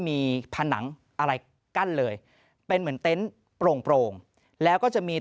มีผ่านหนังอะไรกั้นเลยเป็นเหมือนเต็นโปร่งแล้วก็จะมี